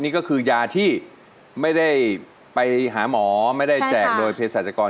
นี่ก็คือยาที่ไม่ได้ไปหาหมอไม่ได้แจกโดยเพศรัชกร